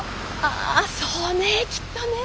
あそうねきっとね。